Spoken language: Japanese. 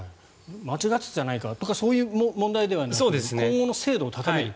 間違ってたじゃないかとかそういう問題じゃなく今後の精度を高めると。